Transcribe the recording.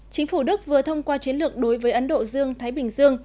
chính phủ đức vừa thông qua chiến lược đối với ấn độ dương thái bình dương